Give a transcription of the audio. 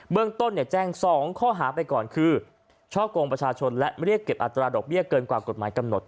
เมืองต้นแจ้ง๒ข้อหาไปก่อนคือช่อกงประชาชนและเรียกเก็บอัตราดอกเบี้ยเกินกว่ากฎหมายกำหนด